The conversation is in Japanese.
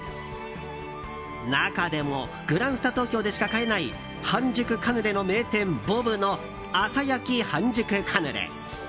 中でもグランスタ東京でしか買えない半熟カヌレの名店ｂｏＢの朝焼き半熟カヌレ。